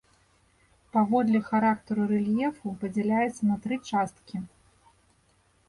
Паводле характару рэльефу падзяляецца на тры часткі.